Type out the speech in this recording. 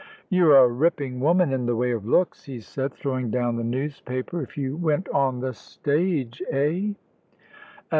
"You're a ripping woman in the way of looks," he said, throwing down the newspaper; "if you went on the stage eh?"